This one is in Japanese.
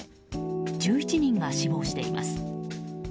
１１人が死亡しています。